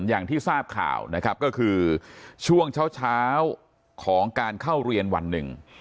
อย่างที่ทราบข่าวนะครับก็คือช่วงเช้าของการเข้าเรียนวันหนึ่ง